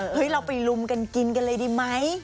เราไปลุมกันกินกันเลยดีไหม